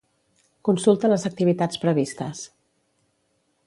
Consulta les activitats previstes.